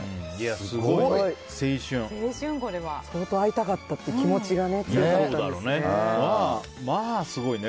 すごい。相当会いたかったっていう気持ちがまあすごいね。